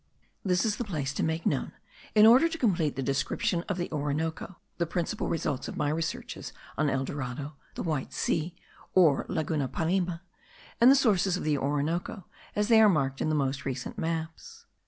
This is the place to make known, in order to complete the description of the Orinoco, the principal results of my researches on El Dorado, the White Sea, or Laguna Parime, and the sources of the Orinoco, as they are marked in the most recent maps.